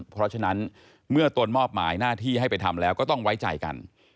เพราะฉะนั้นเมื่อตนมอบหมายหน้าที่ให้ไปทำแล้วก็ต้องไว้ใจกัน